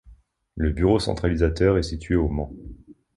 Le bureau centralisateur est situé au Mans.